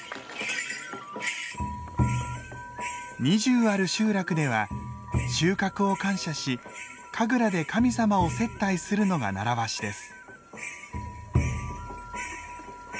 ２０ある集落では収穫を感謝し神楽で神様を接待するのが習わしです。